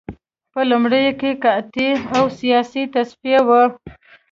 په لومړیو کې قحطي او سیاسي تصفیه وه